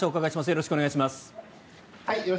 よろしくお願いします。